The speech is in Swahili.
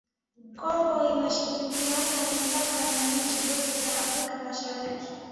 Kongo inashirikiana mipaka na nchi zote za Afrika Mashariki